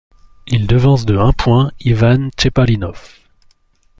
Il devance de un point Ivan Cheparinov.